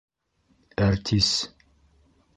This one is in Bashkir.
Әртис...